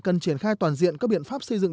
cần triển khai toàn diện các biện pháp xây dựng